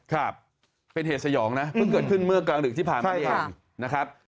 ครับเป็นเหตุสยองนะเพิ่งเกิดขึ้นเมื่อกลางดึกที่ผ่านมาเองนะครับ